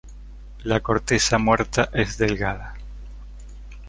La corteza muerta es delgada.